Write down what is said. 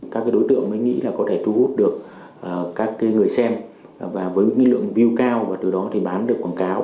các đối tượng mới nghĩ là có thể thu hút được các người xem và với lượng view cao và từ đó thì bán được quảng cáo